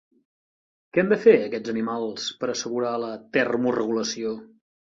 Què han de fer aquests animals per assegurar la termoregulació?